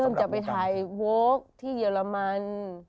เริ่มจากไปถ่ายโฟกที่เยอรมัน